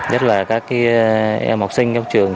nhất là các em học sinh trong trường